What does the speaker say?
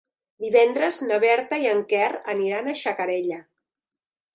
Divendres na Berta i en Quer aniran a Xacarella.